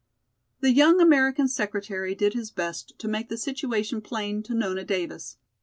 The young American secretary did his best to make the situation plain to Nona Davis.